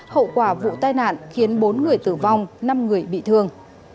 hậu quả vụ tai nạn khiến bốn người tử vong năm người bị thương